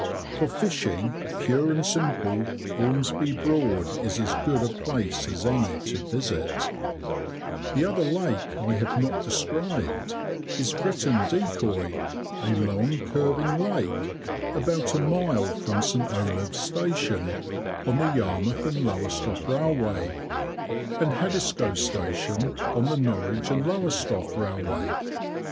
For fishing, pure and simple, Ormesby Broad is as good a place as any to visit. [Picture: Fritton Decoy] The other lake I have not described is Fritton Decoy, a long curving lake, about a mile from St. Olave's station, on the Yarmouth and Lowestoft Railway, and Haddiscoe station, on the Norwich and Lowestoft Railway.